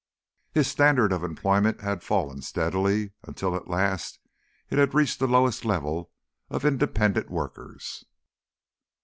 His standard of employment had fallen steadily until at last it had reached the lowest level of independent workers.